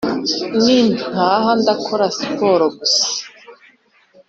Nintaha ndakora siporo gusa